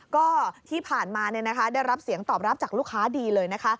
ก็ที่ผ่านมาได้รับเสียงตอบรับจากลูกค้าดีเลยนะคะ